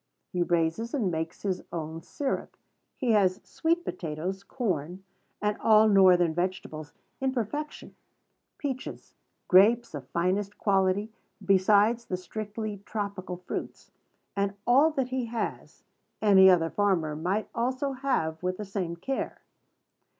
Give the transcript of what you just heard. He raises and makes his own sirup. He has sweet potatoes, corn, and all Northern vegetables, in perfection; peaches, grapes of finest quality, besides the strictly tropical fruits; and all that he has, any other farmer might also have with the same care.